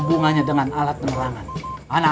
pak makannya pelan pelan